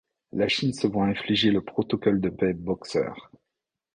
La Chine se voit infliger le protocole de paix Boxer.